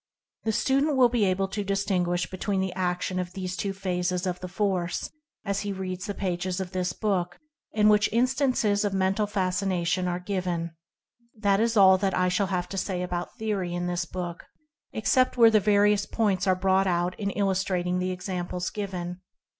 The student will be able to distinguish be tween the action of these two phases of the force, as he reads the pages of this book, in which instances of Mental Fascination are given. This is all that I shall have to say about theory in this book, except where the various points are brought out in illustrating the examples given.